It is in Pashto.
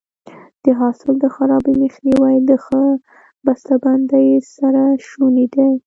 د حاصل د خرابي مخنیوی د ښه بسته بندۍ سره شونی دی.